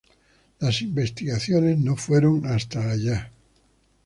Las investigaciones no fueron hasta allá.